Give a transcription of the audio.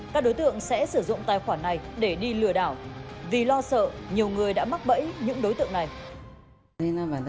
các đối tượng sẽ sử dụng tài khoản này để đi lừa đảo vì lo sợ nhiều người đã mắc bẫy những đối tượng này